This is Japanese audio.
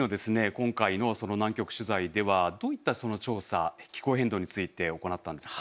今回の南極取材ではどういった調査気候変動について行ったんですか？